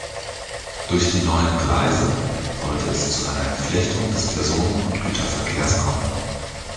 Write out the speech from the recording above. Durch die neuen Gleise sollte es zu einer Entflechtung des Personen- und Güterverkehrs kommen.